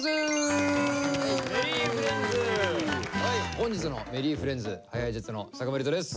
本日の「Ｍｅｒｒｙｆｒｉｅｎｄｓ」ＨｉＨｉＪｅｔｓの作間龍斗です。